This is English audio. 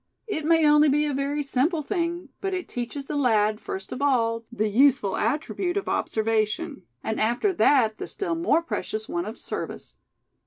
It may only be a very simple thing; but it teaches the lad, first of all, the useful attribute of observation; and after that the still more precious one of service.